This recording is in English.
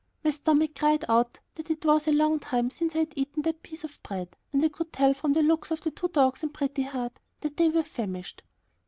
My stomach cried out that it was a long time since I had eaten that piece of bread. And I could tell from the looks of the two dogs and Pretty Heart that they were famished.